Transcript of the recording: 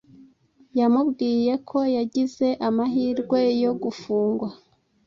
Yamubwiye ko yagize "amahirwe yo gufungwa",